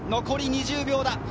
残り２０秒だ。